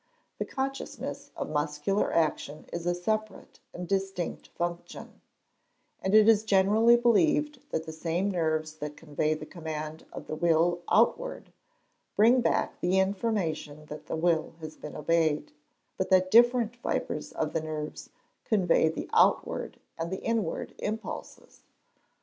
The consciousness of muscular action is a separate and distinct function; and it is generally believed that the same nerves that convey the command of the will outward, bringing back the intimation that the will has been obeyed, but that different fibres of the nerves convey the outward and the inward impulses.